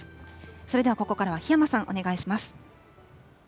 それではここからは檜山さん、お願いします。